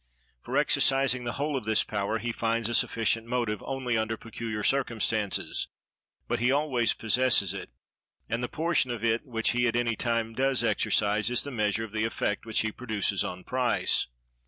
For exercising the whole of this power he finds a sufficient motive only under peculiar circumstances, but he always possesses it; and the portion of it which he at any time does exercise is the measure of the effect which he produces on price.